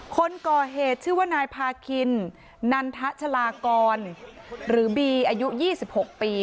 คนก่อเหตุชื่อว่านายพาคินนันทชะลากรหรือบีอายุ๒๖ปี